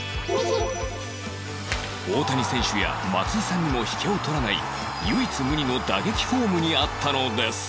大谷選手や松井さんにも引けを取らない唯一無二の打撃フォームにあったのです